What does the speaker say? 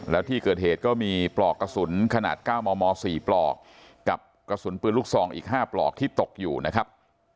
แล้วที่เกิดเหตุก็มีปลอกกระสุนขนาด๙มม๔ปลอกกับกระสุนปืนลูกซองอีก๕ปลอกที่ตกอยู่นะครับ